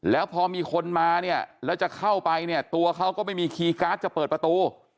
แล้วพอมีคนมาเนี่ยแล้วจะเข้าไปเนี่ยตัวเขาก็ไม่มีคีย์การ์ดจะเปิดประตู